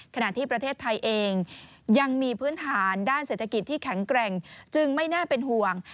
ขณะที่ประเทศไทยเองยังมีพื้นฐานด้านเศรษฐกิจที่แข็งแกร่งจึงไม่น่าเป็นห่วง